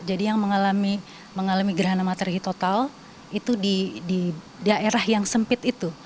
jadi yang mengalami gerhana matahari total itu di daerah yang sempit itu